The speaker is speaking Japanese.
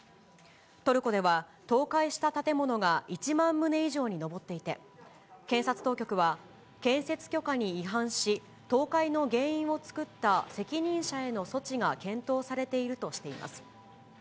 トルコでは、倒壊した建物が１万棟以上に上っていて、検察当局は建設許可に違反し、倒壊の原因を作った責任者への措置が検討されているとしています。